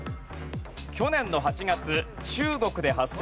去年の８月中国で発生した雲。